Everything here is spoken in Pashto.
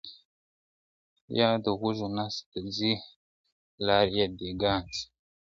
یا د وږو نس ته ځي لار یې دېګدان سي `